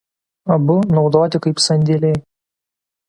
Abu naudoti kaip sandėliai.